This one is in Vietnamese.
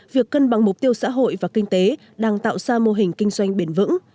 việc cân bằng mục tiêu xã hội và kinh tế đang tạo ra mô hình kinh doanh bền vững